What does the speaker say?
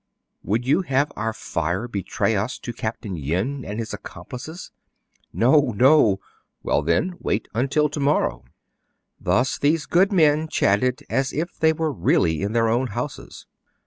"Would you have our fire betray us to Capt. Yin and his accomplices?" " No, no !"" Well, then, wait until to morrow." Thus these good men chatted as if they were really in their own houses.